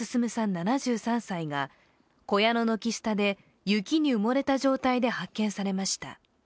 ７３歳が小屋の軒下で雪に埋もれた状態で発見されました。